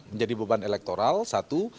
menjadi beban elektoral satu